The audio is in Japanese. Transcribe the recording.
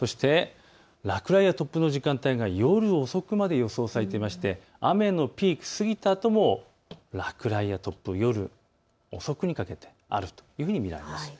落雷や突風の時間帯が夜遅くまで予想されていまして雨のピークが過ぎたあとも落雷や突風、夜遅くにかけてあるというふうに見られます。